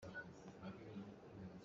Vawlei aa sem hlan ah Pathian a um cang.